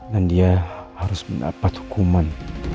dan dia harus mendapat hukuman